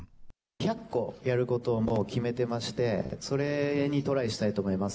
１００個やることをもう決めてまして、それにトライしたいと思います。